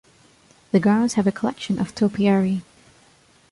The grounds have a collection of topiary.